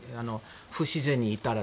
不自然にいたら。